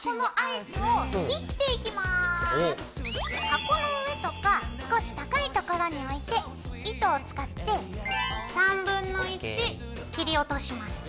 箱の上とか少し高い所に置いて糸を使って1/3切り落とします。